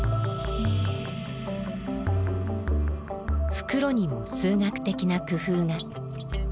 ふくろにも数学的な工夫が。